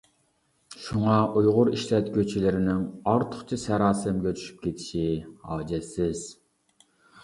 شۇڭا ئۇيغۇر ئىشلەتكۈچىلىرىنىڭ ئارتۇقچە ساراسىمىگە چۈشۈپ كېتىشى ھاجەتسىز.